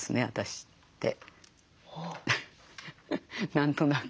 何となく。